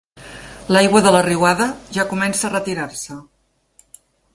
L'aigua de la riuada ja comença a retirar-se.